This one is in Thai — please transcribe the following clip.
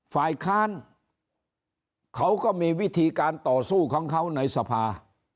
ฝ่ายค้านเขาก็มีวิธีการต่อสู้ของเขาในสภา